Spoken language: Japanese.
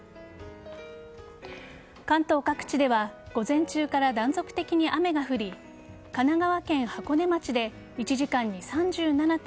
関東各地では午前中から断続的に雨が降り神奈川県箱根町で１時間に３７．５ｍｍ